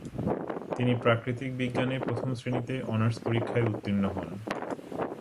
তিনি প্রাকৃতিক বিজ্ঞানে প্রথম শ্রেণীতে অনার্স পরীক্ষায় উত্তীর্ণ হন।